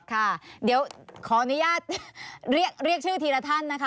ค่ะเดี๋ยวขออนุญาตเรียกชื่อทีละท่านนะคะ